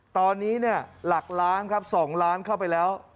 ตอนนี้หลักร้านครับ๒ร้านเข้าไปแล้ว